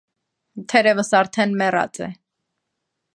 թերևս արդեն մեռած է…